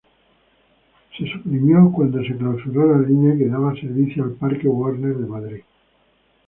Fue suprimido cuando se clausuró la línea que daba servicio al Parque Warner Madrid.